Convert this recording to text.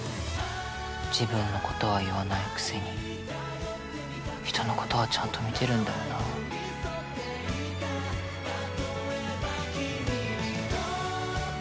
自分の事は言わないくせに人の事はちゃんと見てるんだよなあ。